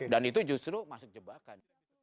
dan itu justru masuk jebakan